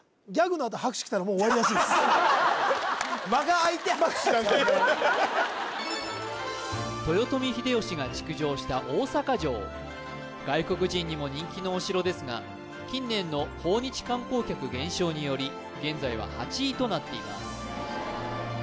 あの豊臣秀吉が築城した大阪城外国人にも人気のお城ですが近年の訪日観光客減少により現在は８位となっています